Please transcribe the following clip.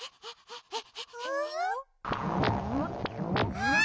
あっ！